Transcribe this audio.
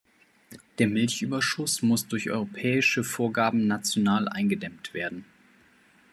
Der Milchüberschuss muss durch europäische Vorgaben national eingedämmt werden.